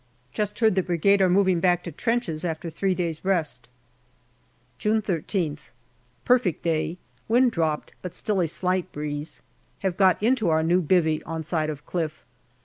Just heard that Brigade are moving back to trenches after three days' rest. June 13th. Perfect day ; wind dropped, but still a slight breeze. Have got into our new " bivvy " on side of cliff.